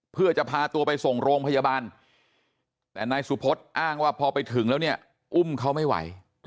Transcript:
เพื่อจะพาตัวไปส่งโรงพยาบาลแต่นายสุพศอ้างว่าพอไปถึงแล้วเนี่ยอุ้มเขาไม่ไหว